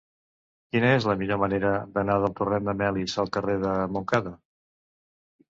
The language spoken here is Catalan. Quina és la millor manera d'anar del torrent de Melis al carrer de Montcada?